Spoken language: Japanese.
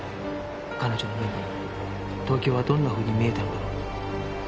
彼女の目に東京はどんなふうに見えたのだろう？